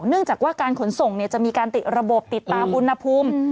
เนื่องจากว่าการขนส่งจะมีการติดระบบติดตามอุณหภูมิ